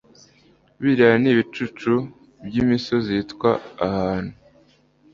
biriya ni ibicucu by'imisozi wita abantu